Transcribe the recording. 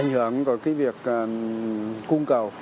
ảnh hưởng của việc cung cầu